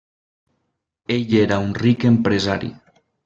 Ell era un ric empresari.